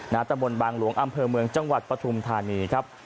นาธรรมน์บางหลวงอำเภอเมืองจังหวัดประธุมธานีครับ